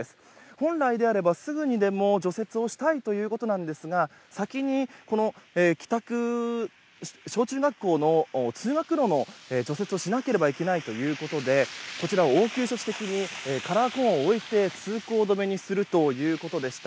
本来であれば、すぐにでも除雪をしたいということですが先に小中学校の通学路の除雪をしなければいけないということでこちら、応急処置的にカラーコーンを置いて通行止めにするということでした。